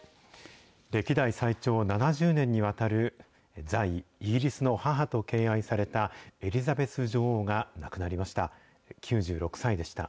歴代最長７０年にわたる在位、イギリスの母と敬愛された、エリザベス女王が亡くなりました。